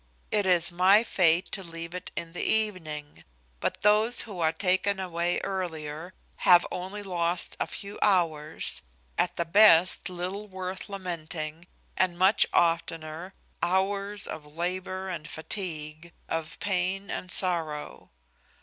It is my fate to leave it in the evening; but those who are taken away earlier have only lost a few hours, at the best little worth lamenting, and much oftener hours of labour and fatigue, of pain and sorrow.